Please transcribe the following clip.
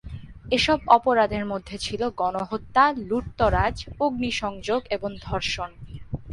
এসব অপরাধের মধ্যে ছিল গণহত্যা, লুটতরাজ, অগ্নিসংযোগ এবং ধর্ষণ।